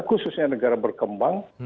khususnya negara berkembang